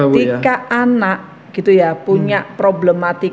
ketika anak gitu ya punya problematika